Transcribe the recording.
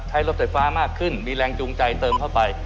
รถไฟฟ้ามากขึ้นมีแรงจูงใจเติมเข้าไป